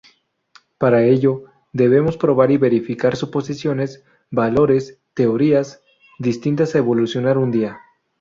Para ello, debemos probar y verificar suposiciones, valores, teorías destinadas a evolucionar un día.